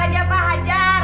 ajar aja pak ajar